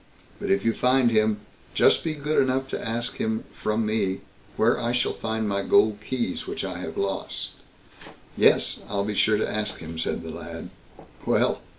But if you find him, just be good enough to ask him from me where I shall find my gold keys which I have lost." "Yes! I'll be sure to ask him", said the lad. Well!